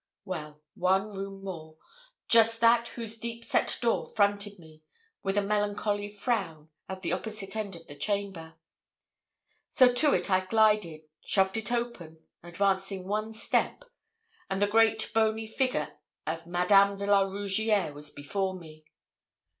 Well, one room more just that whose deep set door fronted me, with a melancholy frown, at the opposite end of the chamber. So to it I glided, shoved it open, advancing one step, and the great bony figure of Madame de la Rougierre was before me.